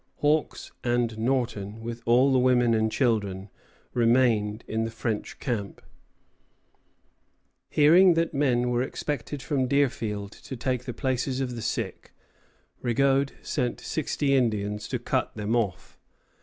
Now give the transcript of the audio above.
Hawks and Norton, with all the women and children, remained in the French camp. Hearing that men were expected from Deerfield to take the places of the sick, Rigaud sent sixty Indians to cut them off.